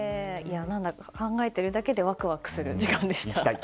何だか考えているだけでワクワクする時間でした。